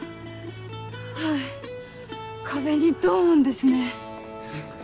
はい壁にドン！ですね。